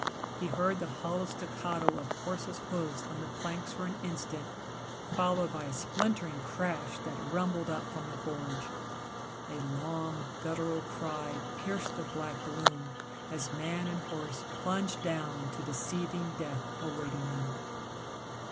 He heard the hollow staccato of horse's hoofs on the planks for an instant, followed by a splintering crash that rumbled up from the gorge. A long, guttural cry pierced the black gloom as man and horse plunged down to the seething death awaiting them.